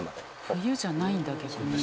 冬じゃないんだ逆に。